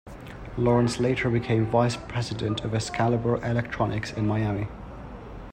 Lawrence later became Vice President of Excalibur Electronics in Miami.